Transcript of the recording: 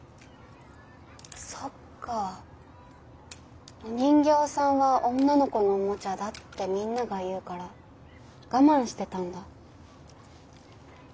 そっかお人形さんは女の子のおもちゃだってみんなが言うから我慢してたんだ。